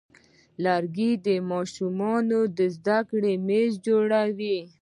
لرګی د ماشوم د زده کړې میز جوړوي.